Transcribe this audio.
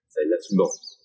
xảy ra xung đột